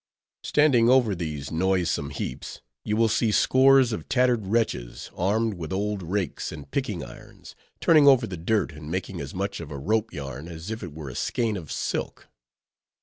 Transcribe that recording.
Standing over these noisome heaps, you will see scores of tattered wretches, armed with old rakes and picking irons, turning over the dirt, and making as much of a rope yarn as if it were a skein of silk.